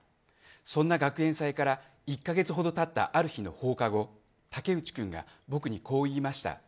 そんな学園祭から１カ月ほどたったある日の放課後武内君が、僕にこう言いました。